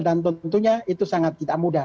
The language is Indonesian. dan tentunya itu sangat tidak mudah